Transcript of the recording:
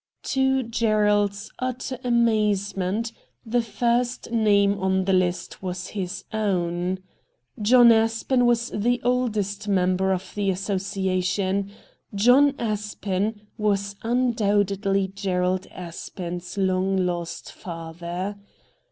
To Gerald's utter amazement the first name on the Hst was his own. John Aspen was tlie oldest member of the associa tion. John Aspen was undoubtedly Gerald Aspen's long lost father.